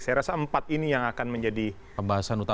saya rasa empat ini yang akan menjadi pembahasan